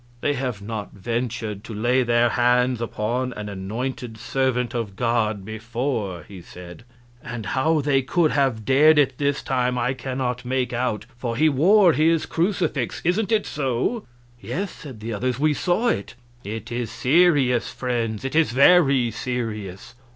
"They have not ventured to lay their hands upon an anointed servant of God before," he said; "and how they could have dared it this time I cannot make out, for he wore his crucifix. Isn't it so?" "Yes," said the others, "we saw it." "It is serious, friends, it is very serious.